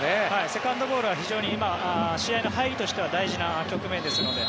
セカンドボールは非常に今、試合の入りとしては大事な局面ですので。